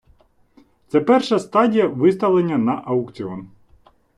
Це перша стадія виставлення на аукціон.